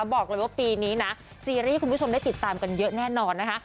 บอกเลยว่าปีนี้นะซีรีส์คุณผู้ชมได้ติดตามกันเยอะแน่นอนนะคะ